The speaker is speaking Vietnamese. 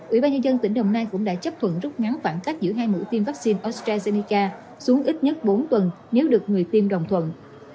ủy ban nhân dân tỉnh đồng nai cũng đã chấp thuận rút ngắn khoảng cách giữa hai mũi tiêm vaccine astrazeneca xuống ít nhất bốn tuần nếu được người tiêm đồng thuận